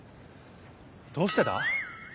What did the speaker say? どうしてだ？